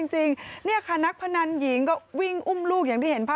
หยุด